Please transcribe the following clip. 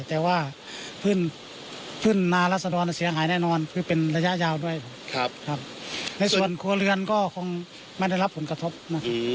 แต่ว่าครัวาดเพื่อนพื้นตัวน้านาศดรเสี้ยหายแน่นอนมันเป็นระยะยาวด้วยในส่วนเขือเรือนก็คงไม่ได้รับผลกระทบนะครับ